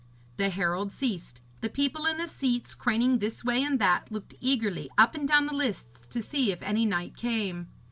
The herald ceased; the people in the seats, craning this way and that, looked eagerly up and down the lists to see if any knight came.